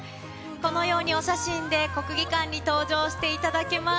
このようにお写真で、国技館に登場していただけます。